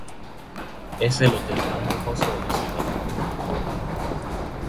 Es el hotel más lujoso de la ciudad.